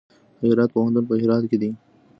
د هرات پوهنتون په هرات کې دی